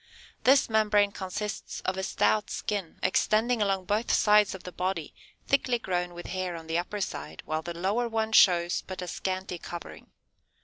This membrane consists of a stout skin, extending along both sides of the body, thickly grown with hair on the upper side, while the lower one shows but a scanty covering.